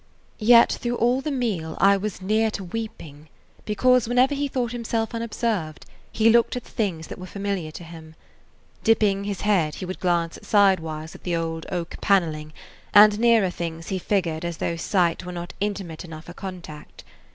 Yet all through the meal I was near to weeping, because whenever he thought himself unobserved he looked at the things that were familiar to him. Dipping his head, he would glance sidewise at the old oak paneling, and nearer things he figured as though sight were not intimate enough a contact.